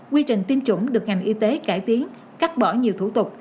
quy trình tiêm chủng được ngành y tế cải tiến cắt bỏ nhiều thủ tục